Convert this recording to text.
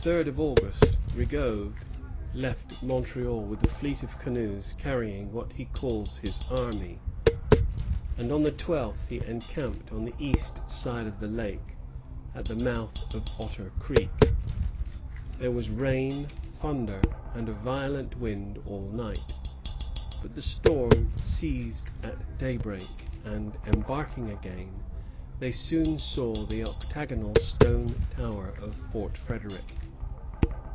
] On the 3d of August, Rigaud left Montreal with a fleet of canoes carrying what he calls his army, and on the 12th he encamped on the east side of the lake, at the mouth of Otter Creek. There was rain, thunder, and a violent wind all night; but the storm ceased at daybreak, and, embarking again, they soon saw the octagonal stone tower of Fort Frédéric.